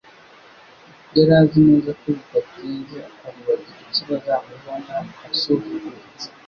Yari azi neza ko bidatinze abo Bagiriki bazamubona asuzuguritse